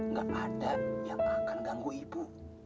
gak ada yang akan ganggu ibu